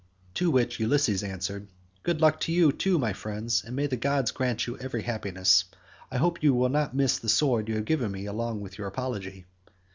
To which Ulysses answered, "Good luck to you too my friend, and may the gods grant you every happiness. I hope you will not miss the sword you have given me along with your apology."